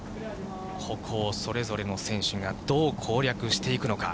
ここをそれぞれの選手がどう攻略していくのか。